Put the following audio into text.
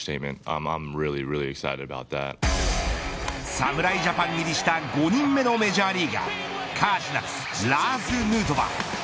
侍ジャパン入りした５人目のメジャーリーガーカージナルスラーズ・ヌートバー。